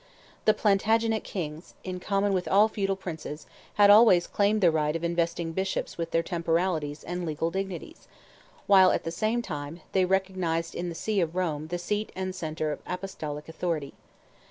The Plantagenet Kings, in common with all feudal Princes, had always claimed the right of investing Bishops with their temporalities and legal dignities; while, at the same time, they recognized in the See of Rome the seat and centre of Apostolic authority.